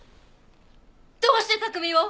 どうして卓海を？